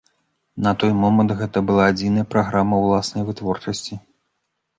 На той момант гэта была адзіная праграма ўласнай вытворчасці.